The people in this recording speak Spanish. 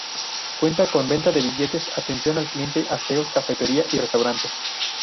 Cuenta con venta de billetes, atención al cliente, aseos, cafetería y restaurante.